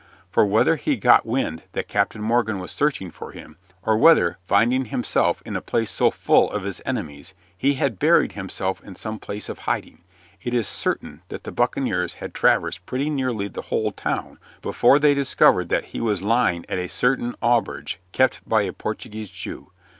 For whether he had got wind that Captain Morgan was searching for him, or whether, finding himself in a place so full of his enemies, he had buried himself in some place of hiding, it is certain that the buccaneers had traversed pretty nearly the whole town before they discovered that he was lying at a certain auberge kept by a Portuguese Jew.